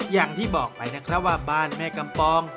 อย่างที่บอกไปว่าบ้านแม่กำปอง